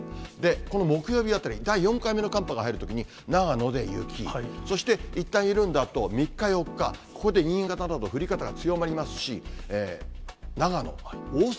この木曜日あたり、第４回目の寒波が入るときに、長野で雪、そしていったん緩んだあと、３日、４日、ここで新潟など、降り方が強まりますし、長野、大阪。